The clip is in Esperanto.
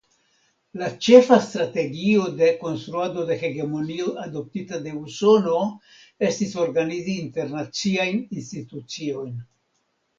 La ĉefa strategio de konstruado de hegemonio adoptita de Usono estis organizi internaciajn instituciojn.